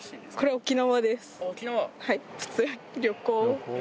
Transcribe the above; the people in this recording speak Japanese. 沖縄。